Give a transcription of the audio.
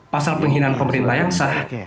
pasal penghinaan pemerintah yang sah